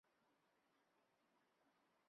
洛蒙诺索夫站是圣彼得堡地铁的一个车站。